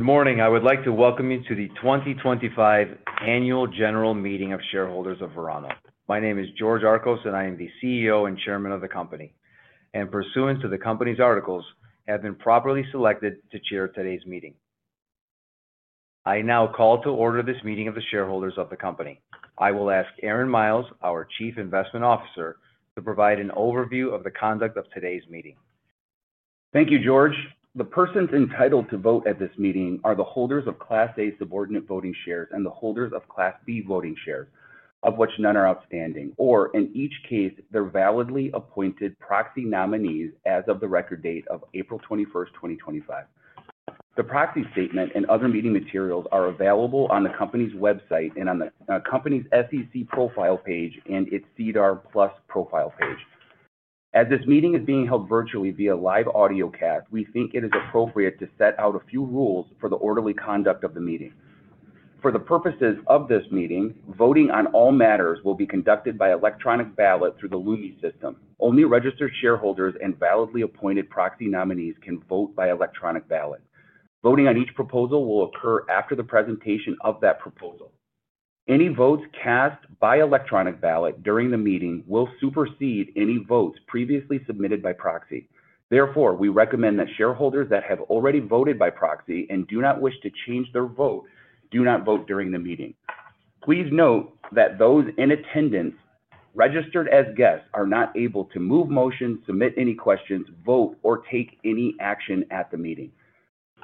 Good morning. I would like to welcome you to the 2025 Annual General Meeting of Shareholders of Verano. My name is George Archos, and I am the CEO and Chairman of the company. Pursuant to the company's articles, I have been properly selected to chair today's meeting. I now call to order this meeting of the shareholders of the company. I will ask Aaron Miles, our Chief Investment Officer, to provide an overview of the conduct of today's meeting. Thank you, George. The persons entitled to vote at this meeting are the holders of Class A subordinate voting shares and the holders of Class B voting shares, of which none are outstanding, or, in each case, their validly appointed proxy nominees as of the record date of April 21, 2025. The proxy statement and other meeting materials are available on the company's website and on the company's SEC profile page and its SEDAR+ profile page. As this meeting is being held virtually via live audio cast, we think it is appropriate to set out a few rules for the orderly conduct of the meeting. For the purposes of this meeting, voting on all matters will be conducted by electronic ballot through the LumiSystem. Only registered shareholders and validly appointed proxy nominees can vote by electronic ballot. Voting on each proposal will occur after the presentation of that proposal. Any votes cast by electronic ballot during the meeting will supersede any votes previously submitted by proxy. Therefore, we recommend that shareholders that have already voted by proxy and do not wish to change their vote do not vote during the meeting. Please note that those in attendance registered as guests are not able to move motions, submit any questions, vote, or take any action at the meeting.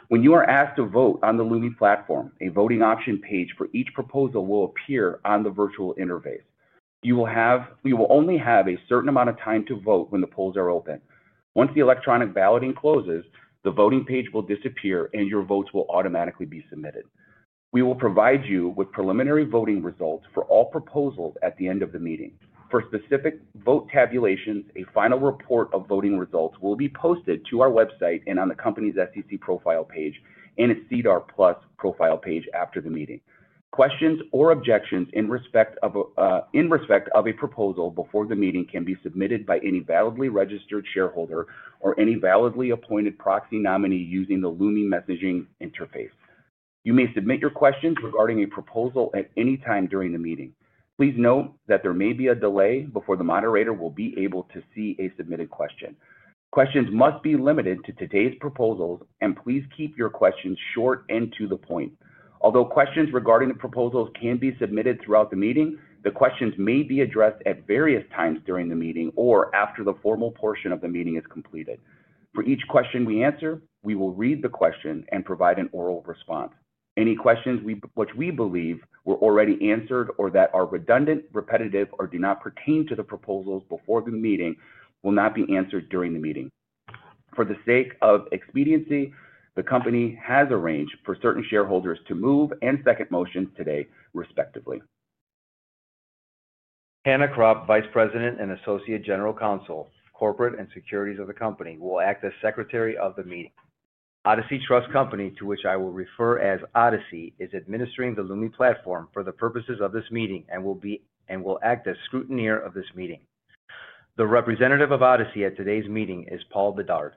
When you are asked to vote on the LUMI platform, a voting option page for each proposal will appear on the virtual interface. You will have—we will only have a certain amount of time to vote when the polls are open. Once the electronic balloting closes, the voting page will disappear, and your votes will automatically be submitted. We will provide you with preliminary voting results for all proposals at the end of the meeting. For specific vote tabulations, a final report of voting results will be posted to our website and on the company's SEC profile page and its SEDAR+ profile page after the meeting. Questions or objections in respect of, uh, in respect of a proposal before the meeting can be submitted by any validly registered shareholder or any validly appointed proxy nominee using the LUMI messaging interface. You may submit your questions regarding a proposal at any time during the meeting. Please note that there may be a delay before the moderator will be able to see a submitted question. Questions must be limited to today's proposals, and please keep your questions short and to the point. Although questions regarding the proposals can be submitted throughout the meeting, the questions may be addressed at various times during the meeting or after the formal portion of the meeting is completed. For each question we answer, we will read the question and provide an oral response. Any questions which we believe were already answered or that are redundant, repetitive, or do not pertain to the proposals before the meeting will not be answered during the meeting. For the sake of expediency, the company has arranged for certain shareholders to move and second motions today, respectively. Hannah Kropp, Vice President and Associate General Counsel, Corporate and Securities of the company, will act as Secretary of the Meeting. Odyssey Trust Company, to which I will refer as Odyssey, is administering the LUMI platform for the purposes of this meeting and will act as scrutineer of this meeting. The representative of Odyssey at today's meeting is Paul Bedard.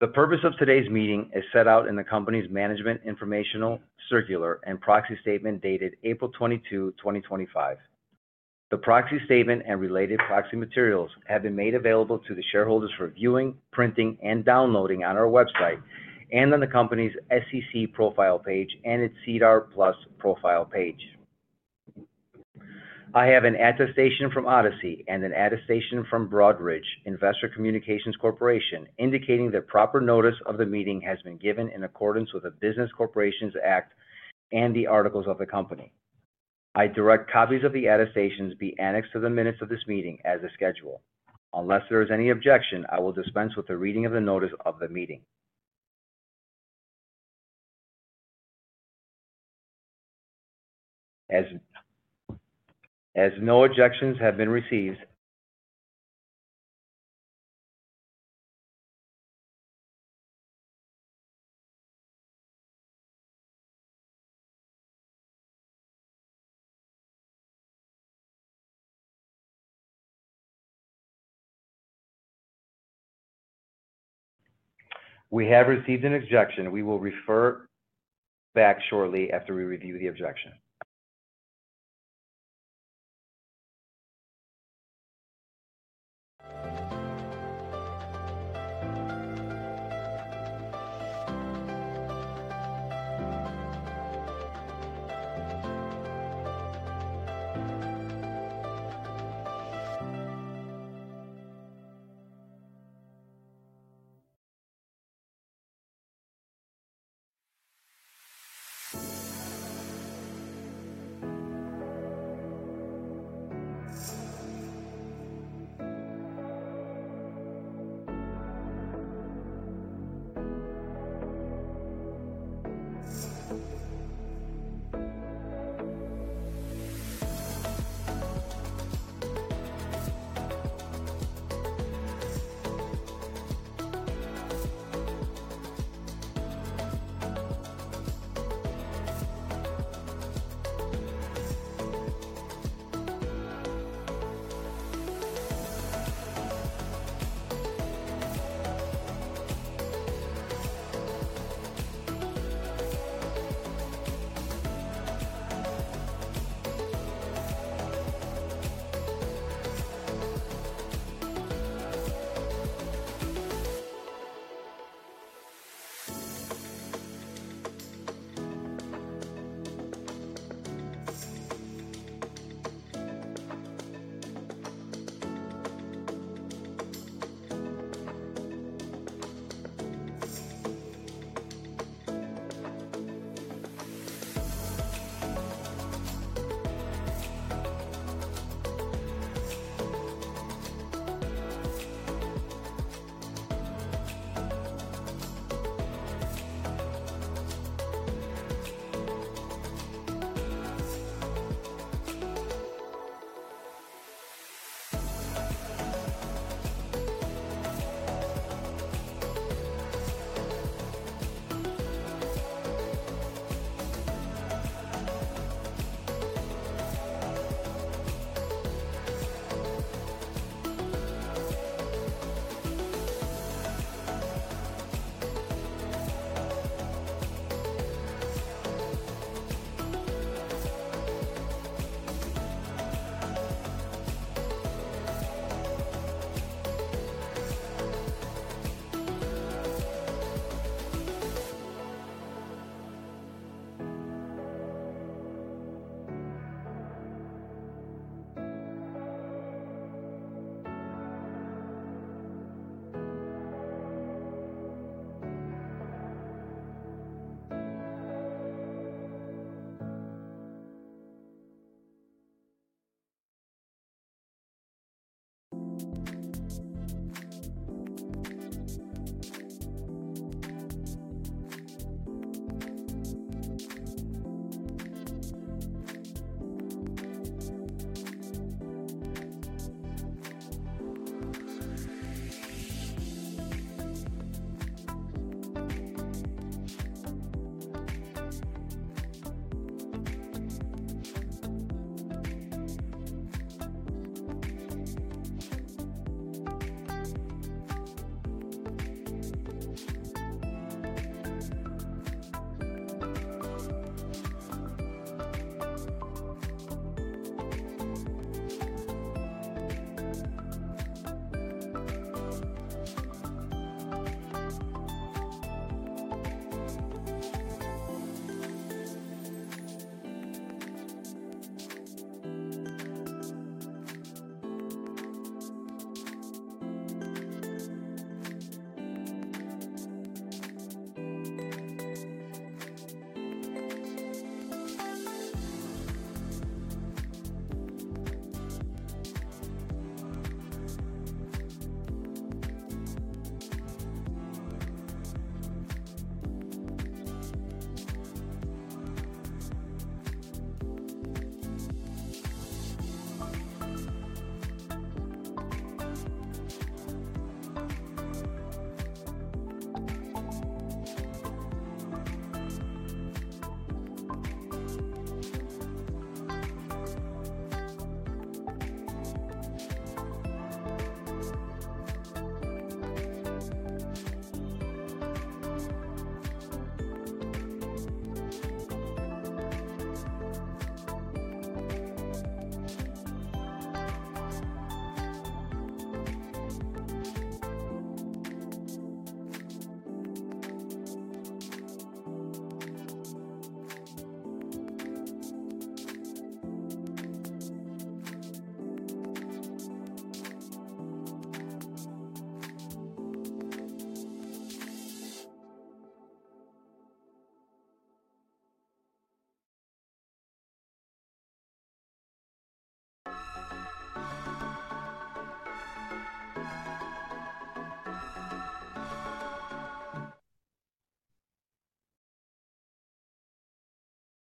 The purpose of today's meeting is set out in the company's Management Informational Circular and Proxy Statement dated April 22, 2025. The proxy statement and related proxy materials have been made available to the shareholders for viewing, printing, and downloading on our website and on the company's SEC profile page and its SEDAR+ profile page. I have an attestation from Odyssey and an attestation from Broadridge Investor Communications Corporation indicating that proper notice of the meeting has been given in accordance with the Business Corporations Act and the articles of the company. I direct copies of the attestations be annexed to the minutes of this meeting as a schedule. Unless there is any objection, I will dispense with the reading of the notice of the meeting. As no objections have been received. We have received an objection. We will refer back shortly after we review the objection.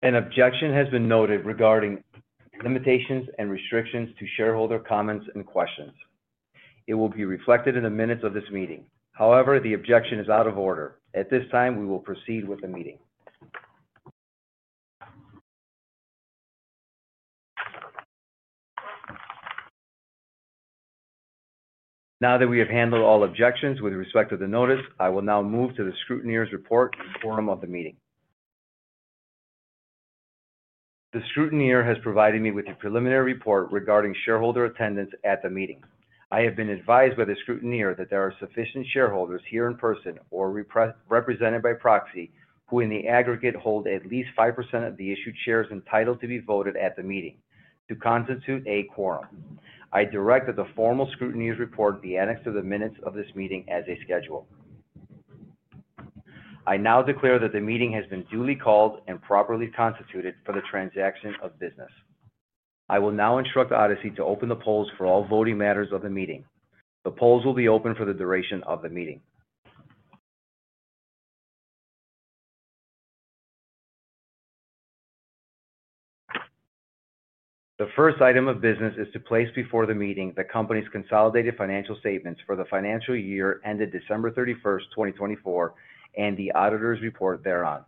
An objection has been noted regarding limitations and restrictions to shareholder comments and questions. It will be reflected in the minutes of this meeting. However, the objection is out of order. At this time, we will proceed with the meeting. Now that we have handled all objections with respect to the notice, I will now move to the scrutineer's report and quorum of the meeting. The scrutineer has provided me with a preliminary report regarding shareholder attendance at the meeting. I have been advised by the scrutineer that there are sufficient shareholders here in person or represented by proxy who in the aggregate hold at least 5% of the issued shares entitled to be voted at the meeting to constitute a quorum. I direct that the formal scrutineer's report be annexed to the minutes of this meeting as a schedule. I now declare that the meeting has been duly called and properly constituted for the transaction of business. I will now instruct Odyssey to open the polls for all voting matters of the meeting. The polls will be open for the duration of the meeting. The first item of business is to place before the meeting the company's consolidated financial statements for the financial year ended December 31, 2024, and the auditor's report thereon,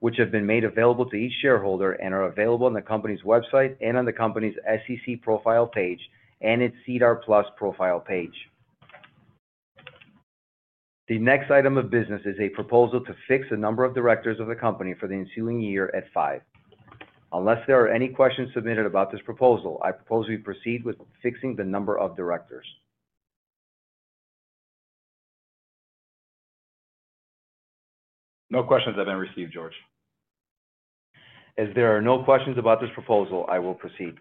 which have been made available to each shareholder and are available on the company's website and on the company's SEC profile page and its SEDAR+ profile page. The next item of business is a proposal to fix the number of directors of the company for the ensuing year at five. Unless there are any questions submitted about this proposal, I propose we proceed with fixing the number of directors. No questions have been received, George. As there are no questions about this proposal, I will proceed.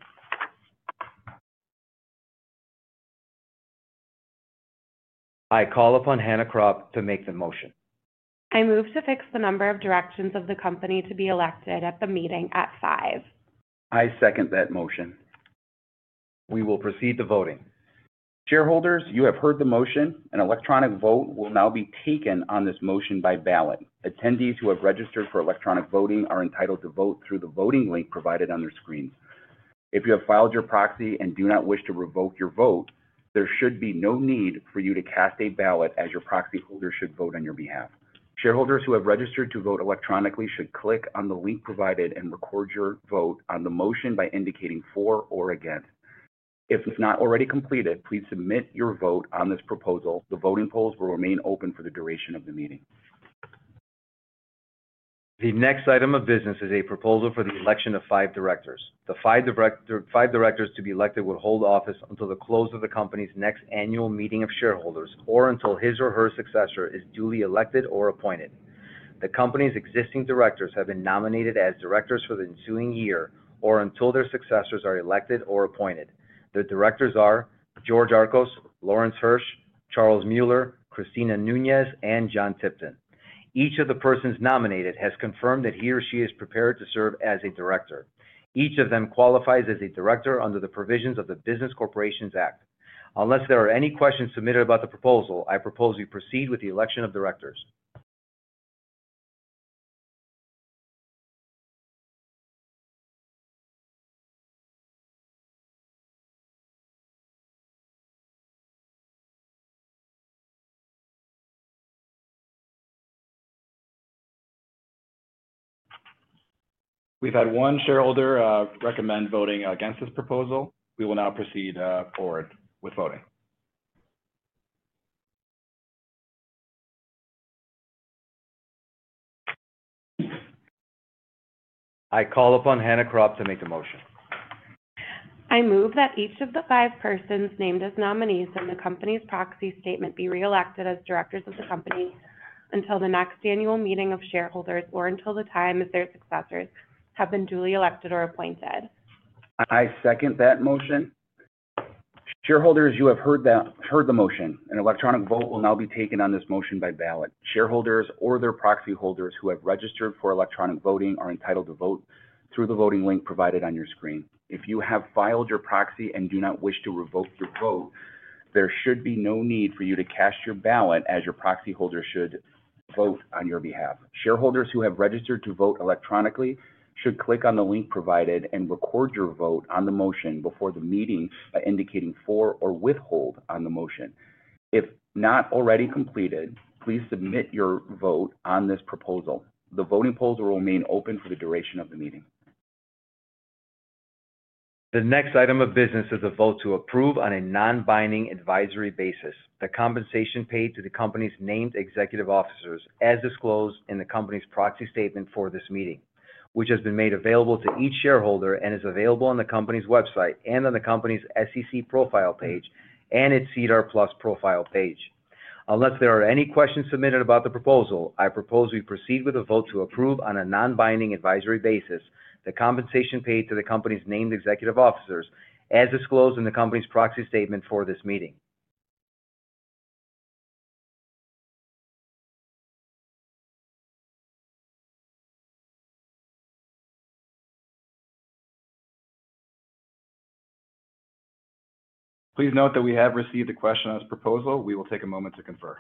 I call upon Hannah Kropp to make the motion. I move to fix the number of directors of the company to be elected at the meeting at five. I second that motion. We will proceed to voting. Shareholders, you have heard the motion. An electronic vote will now be taken on this motion by ballot. Attendees who have registered for electronic voting are entitled to vote through the voting link provided on their screens. If you have filed your proxy and do not wish to revoke your vote, there should be no need for you to cast a ballot as your proxy holder should vote on your behalf. Shareholders who have registered to vote electronically should click on the link provided and record your vote on the motion by indicating for or against. If it's not already completed, please submit your vote on this proposal. The voting polls will remain open for the duration of the meeting. The next item of business is a proposal for the election of five directors. The five directors to be elected will hold office until the close of the company's next annual meeting of shareholders or until his or her successor is duly elected or appointed. The company's existing directors have been nominated as directors for the ensuing year or until their successors are elected or appointed. The directors are George Archos, Lawrence Hirsch, Charles Mueller, Christina Nunez, and John Tipton. Each of the persons nominated has confirmed that he or she is prepared to serve as a director. Each of them qualifies as a director under the provisions of the Business Corporations Act. Unless there are any questions submitted about the proposal, I propose we proceed with the election of directors. We've had one shareholder recommend voting against this proposal. We will now proceed forward with voting. I call upon Hannah Kropp to make the motion. I move that each of the five persons named as nominees in the company's proxy statement be re-elected as directors of the company until the next annual meeting of shareholders or until the time as their successors have been duly elected or appointed. I second that motion. Shareholders, you have heard the motion. An electronic vote will now be taken on this motion by ballot. Shareholders or their proxy holders who have registered for electronic voting are entitled to vote through the voting link provided on your screen. If you have filed your proxy and do not wish to revoke your vote, there should be no need for you to cast your ballot as your proxy holder should vote on your behalf. Shareholders who have registered to vote electronically should click on the link provided and record your vote on the motion before the meeting by indicating for or withhold on the motion. If not already completed, please submit your vote on this proposal. The voting polls will remain open for the duration of the meeting. The next item of business is a vote to approve on a non-binding advisory basis the compensation paid to the company's named executive officers as disclosed in the company's proxy statement for this meeting, which has been made available to each shareholder and is available on the company's website and on the company's SEC profile page and its SEDAR+ profile page. Unless there are any questions submitted about the proposal, I propose we proceed with a vote to approve on a non-binding advisory basis the compensation paid to the company's named executive officers as disclosed in the company's proxy statement for this meeting. Please note that we have received a question on this proposal. We will take a moment to confer.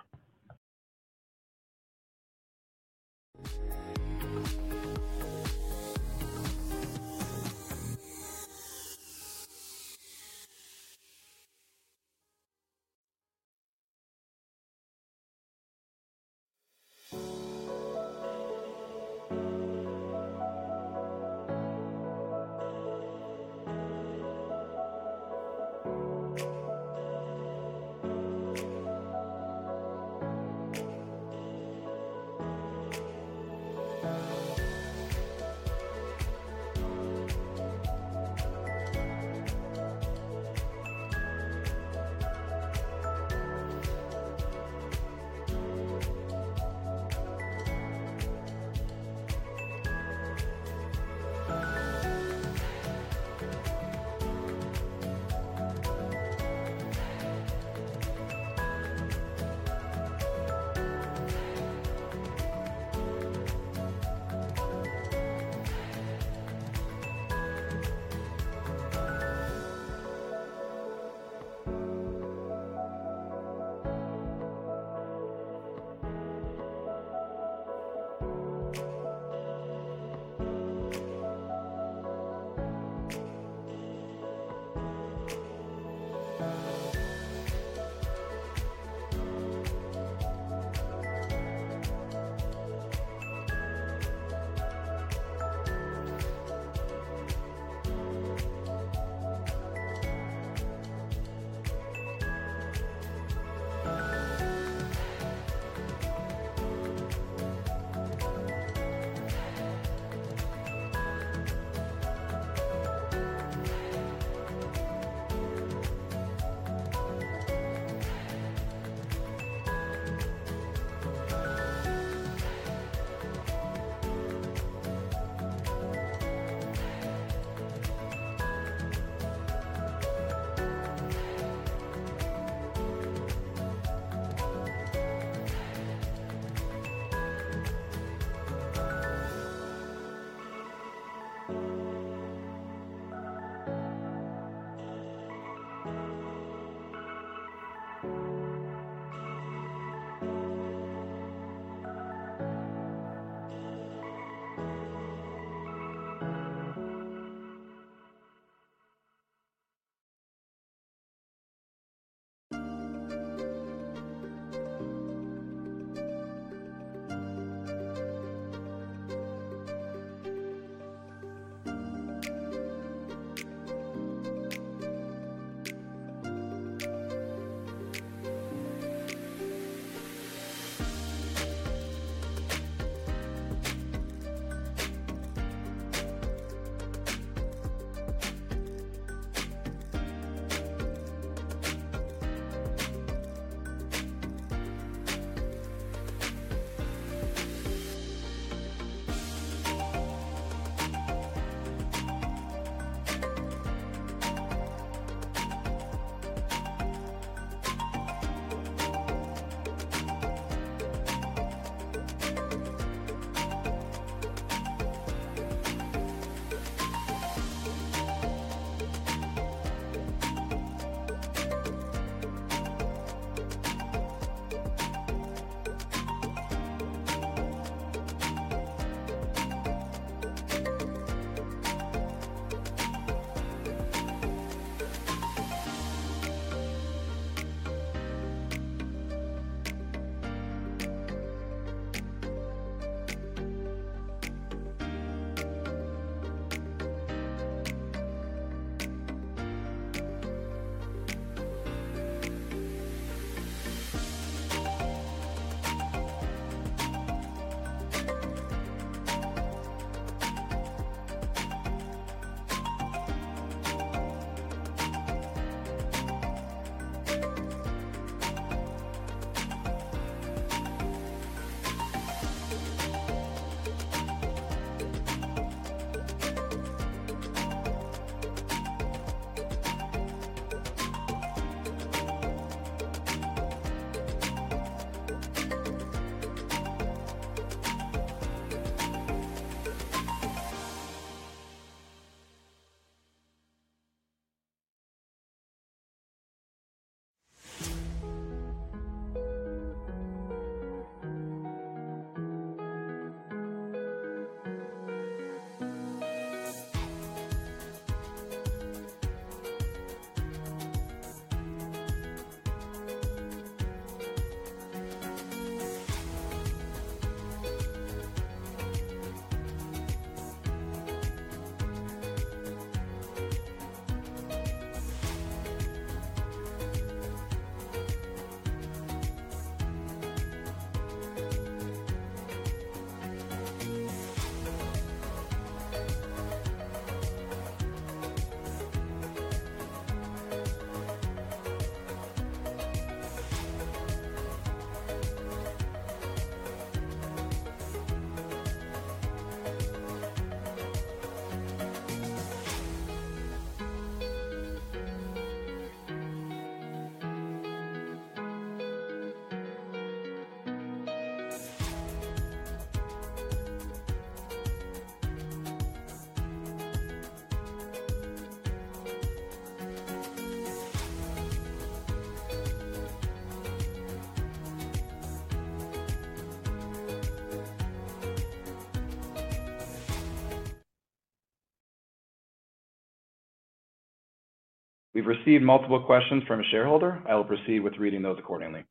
We've received multiple questions from a shareholder. I will proceed with reading those accordingly.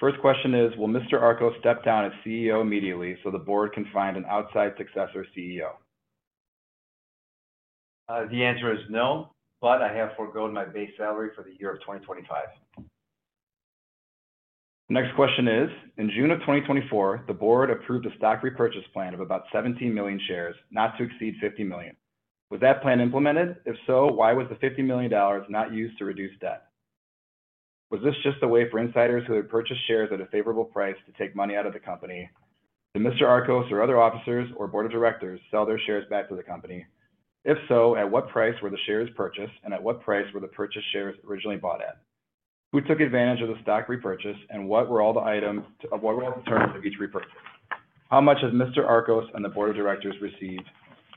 First question is, will Mr. Archos step down as CEO immediately so the board can find an outside successor CEO? The answer is no, but I have foregoed my base salary for the year of 2025. Next question is, in June of 2024, the board approved a stock repurchase plan of about 17 million shares not to exceed $50 million. Was that plan implemented? If so, why was the $50 million not used to reduce debt? Was this just a way for insiders who had purchased shares at a favorable price to take money out of the company? Did Mr. Archos or other officers or board of directors sell their shares back to the company? If so, at what price were the shares purchased and at what price were the purchased shares originally bought at? Who took advantage of the stock repurchase and what were all the items of what were all the terms of each repurchase? How much has Mr. Archos and the board of directors received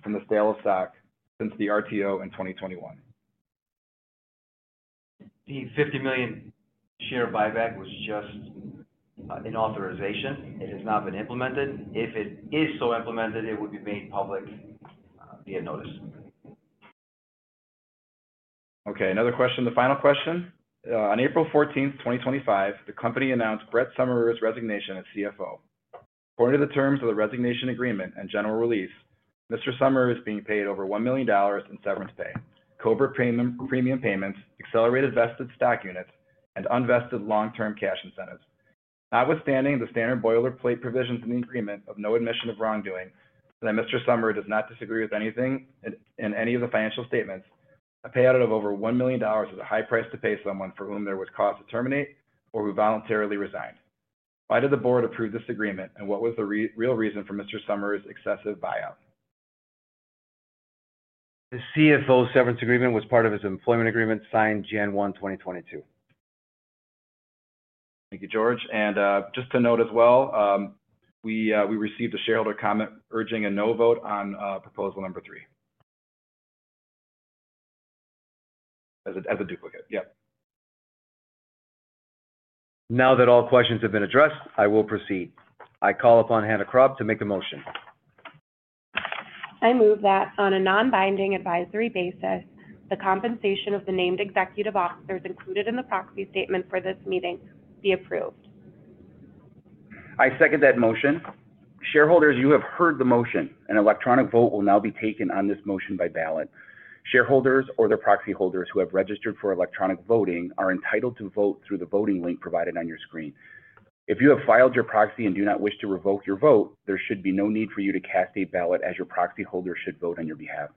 from the sale of stock since the RTO in 2021? The 50 million share buyback was just, in authorization. It has not been implemented. If it is so implemented, it would be made public, via notice. Okay. Another question, the final question. On April 14, 2025, the company announced Brett Summerer's resignation as CFO. According to the terms of the resignation agreement and general release, Mr. Summerer is being paid over $1 million in severance pay, COBRA premium payments, accelerated vested stock units, and unvested long-term cash incentives. Notwithstanding the standard boilerplate provisions in the agreement of no admission of wrongdoing, that Mr. Summerer does not disagree with anything in any of the financial statements, a payout of over $1 million is a high price to pay someone for whom there was cause to terminate or who voluntarily resigned. Why did the board approve this agreement and what was the real reason for Mr. Summerer's excessive buyout? The CFO severance agreement was part of his employment agreement signed January 1, 2022. Thank you, George. Just to note as well, we received a shareholder comment urging a no vote on proposal number three as a duplicate, yeah. Now that all questions have been addressed, I will proceed. I call upon Hannah Kropp to make a motion. I move that on a non-binding advisory basis, the compensation of the named executive officers included in the proxy statement for this meeting be approved. I second that motion. Shareholders, you have heard the motion. An electronic vote will now be taken on this motion by ballot. Shareholders or their proxy holders who have registered for electronic voting are entitled to vote through the voting link provided on your screen. If you have filed your proxy and do not wish to revoke your vote, there should be no need for you to cast a ballot as your proxy holder should vote on your behalf.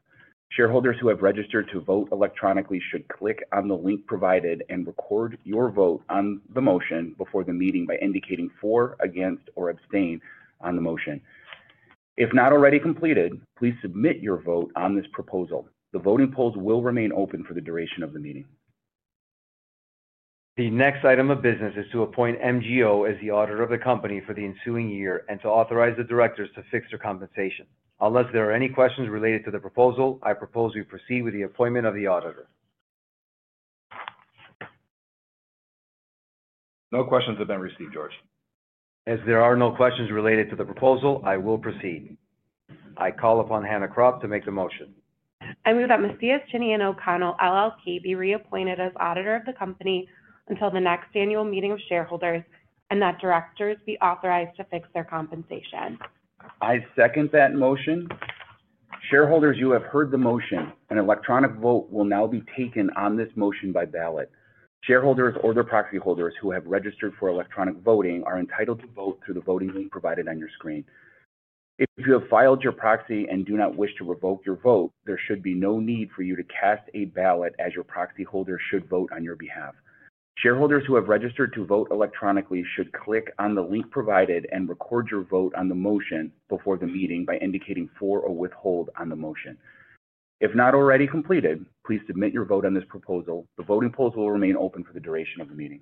Shareholders who have registered to vote electronically should click on the link provided and record your vote on the motion before the meeting by indicating for, against, or abstain on the motion. If not already completed, please submit your vote on this proposal. The voting polls will remain open for the duration of the meeting. The next item of business is to appoint MGO as the auditor of the company for the ensuing year and to authorize the directors to fix their compensation. Unless there are any questions related to the proposal, I propose we proceed with the appointment of the auditor. No questions have been received, George. As there are no questions related to the proposal, I will proceed. I call upon Hannah Kropp to make the motion. I move that MGO be reappointed as auditor of the company until the next annual meeting of shareholders and that directors be authorized to fix their compensation. I second that motion. Shareholders, you have heard the motion. An electronic vote will now be taken on this motion by ballot. Shareholders or their proxy holders who have registered for electronic voting are entitled to vote through the voting link provided on your screen. If you have filed your proxy and do not wish to revoke your vote, there should be no need for you to cast a ballot as your proxy holder should vote on your behalf. Shareholders who have registered to vote electronically should click on the link provided and record your vote on the motion before the meeting by indicating for or withhold on the motion. If not already completed, please submit your vote on this proposal. The voting polls will remain open for the duration of the meeting.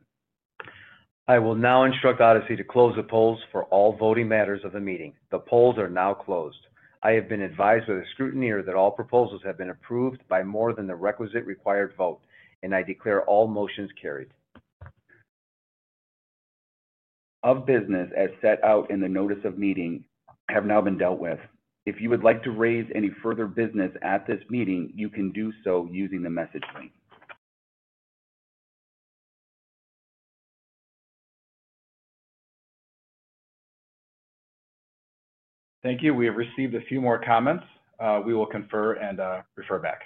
I will now instruct Odyssey to close the polls for all voting matters of the meeting. The polls are now closed. I have been advised with a scrutineer that all proposals have been approved by more than the requisite required vote, and I declare all motions carried. All business as set out in the notice of meeting have now been dealt with. If you would like to raise any further business at this meeting, you can do so using the message link. Thank you. We have received a few more comments. We will confer and refer back.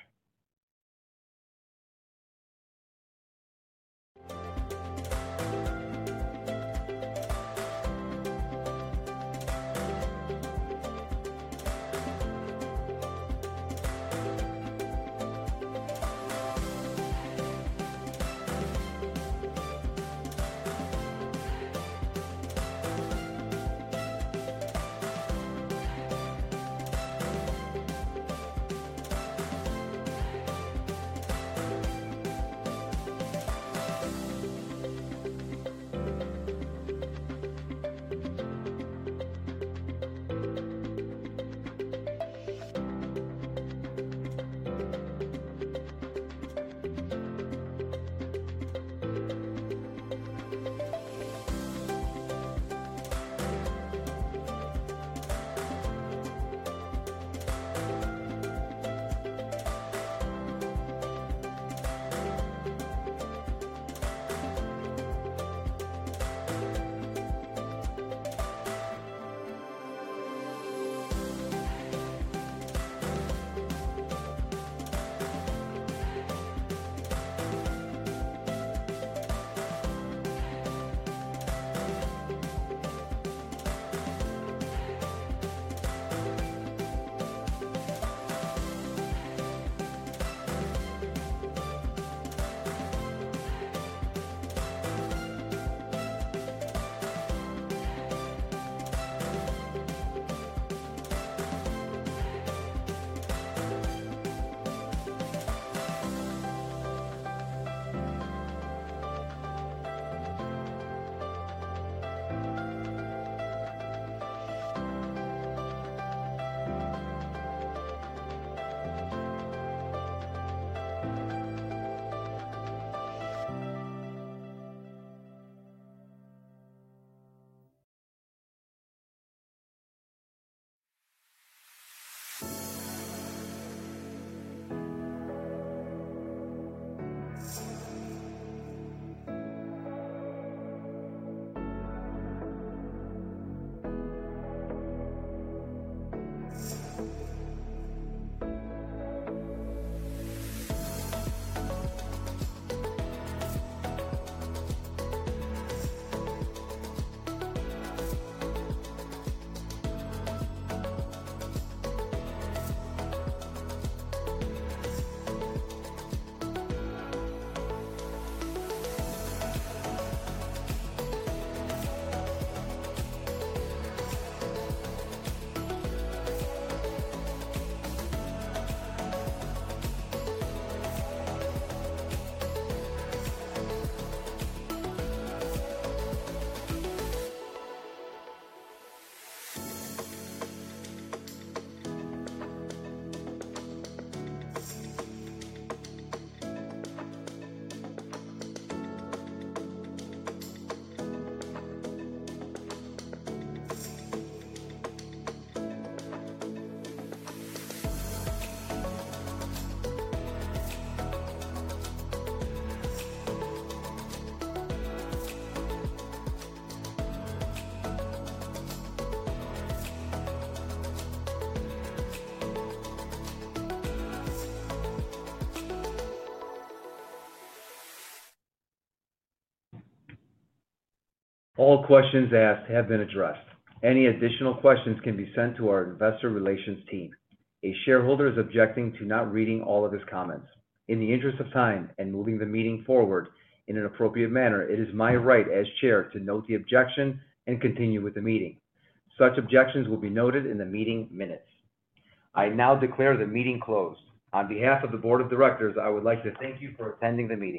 All questions asked have been addressed. Any additional questions can be sent to our investor relations team. A shareholder is objecting to not reading all of his comments. In the interest of time and moving the meeting forward in an appropriate manner, it is my right as Chair to note the objection and continue with the meeting. Such objections will be noted in the meeting minutes. I now declare the meeting closed. On behalf of the Board of Directors, I would like to thank you for attending the meeting.